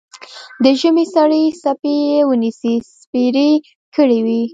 د ژمي سړې څپې یې ونې سپېرې کړې وې.